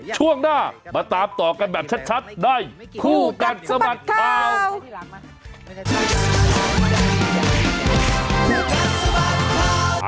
ช่วงหน้ามาตามต่อกันแบบชัดในคู่กัดสะบัดข่าว